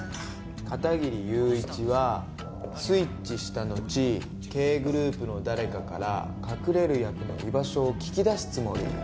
片切友一はスイッチしたのちＫグループの誰かから隠れる役の居場所を聞き出すつもり。